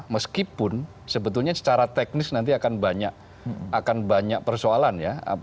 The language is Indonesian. meskipun sebetulnya secara teknis nanti akan banyak persoalan ya